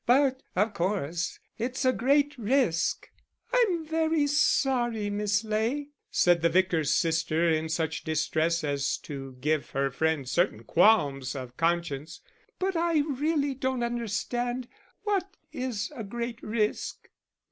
But, of course, it's a great risk." "I'm very sorry, Miss Ley," said the vicar's sister, in such distress as to give her friend certain qualms of conscience, "but I really don't understand. What is a great risk?"